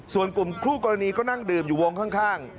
ส่วนกลุ่มคู่กรณีก็นั่งดื่มอยู่วงข้าง